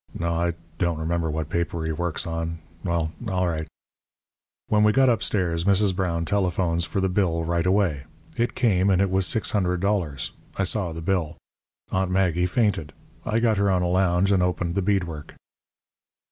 No, I don't remember what paper he works on. Well, all right. "When we got upstairs Mrs. Brown telephones for the bill right away. It came, and it was $600. I saw the bill. Aunt Maggie fainted. I got her on a lounge and opened the bead work.